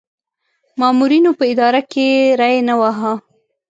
مامورینو په اداره کې ری نه واهه.